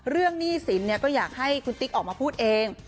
หนี้สินก็อยากให้คุณติ๊กออกมาพูดเอง